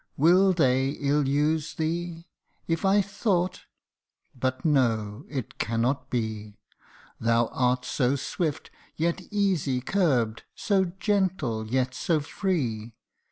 Will they ill use thee? If I thought but no, it cannot be Thou art so swift, yet easy curbed ; so gentle, yet so free.